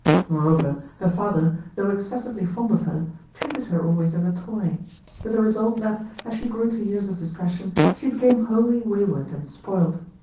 Moreover her father, though excessively fond of her, treated her always as a toy; with the result that, as she grew to years of discretion, she became wholly wayward and spoilt.